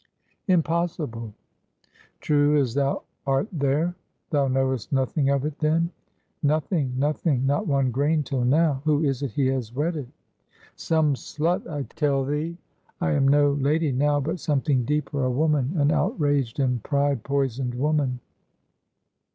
"Impossible!" "True as thou art there. Thou knowest nothing of it then?" "Nothing, nothing not one grain till now. Who is it he has wedded?" "Some slut, I tell thee! I am no lady now, but something deeper, a woman! an outraged and pride poisoned woman!"